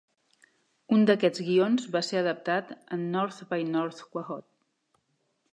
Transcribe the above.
Un d'aquests guions va ser adaptat en "North by North Quahog".